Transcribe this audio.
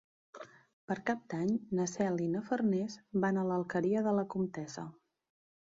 Per Cap d'Any na Cel i na Farners van a l'Alqueria de la Comtessa.